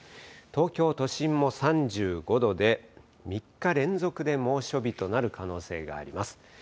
東京都心も３５度で、３日連続で猛暑日となる可能性があります。